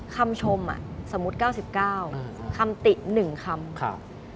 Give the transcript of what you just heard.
คำชมสมมติ๙๙คำติหนึ่งคำ